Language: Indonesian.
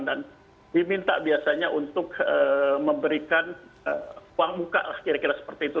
dan diminta biasanya untuk memberikan uang muka lah kira kira seperti itu